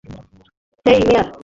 হেই, মেয়ার!